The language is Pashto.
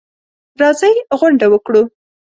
راځئ غونډه وکړو.